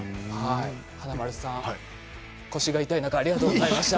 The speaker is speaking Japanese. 華丸さん、腰が痛い中ありがとうございました。